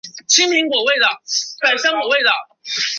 基德号驱逐舰命名的军舰。